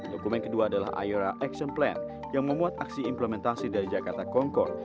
dokumen kedua adalah ayora action plan yang memuat aksi implementasi dari jakarta concor